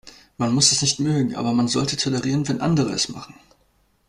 Man muss es nicht mögen, aber man sollte tolerieren, wenn andere es machen.